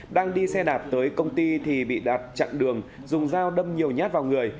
đang đi xe đạp tới công ty thì bị đạt chặn đường dùng dao đâm nhiều nhát vào người